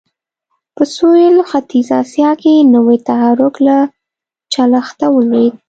په سوېل ختیځه اسیا کې نوی تحرک له چلښته ولوېد.